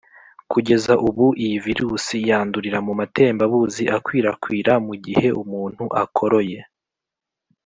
kugeza ubu iyi virus yandurira mu matembabuzi akwirakwira mu gihe umuntu akoroye